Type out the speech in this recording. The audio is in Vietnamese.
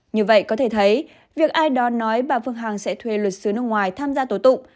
như vậy có thể thấy việc ai đó nói bà phương hằng sẽ thuê luật sư nước ngoài tham gia tổ tụng